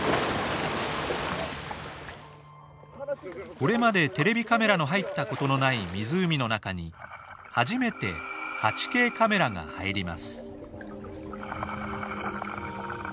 これまでテレビカメラの入った事のない湖の中に初めて８Ｋカメラが入ります。